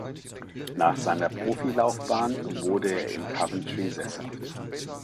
Nach seiner Profilaufbahn wurde er in Coventry sesshaft.